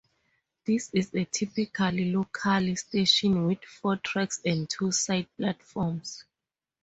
This is a typical local station with four tracks and two side platforms.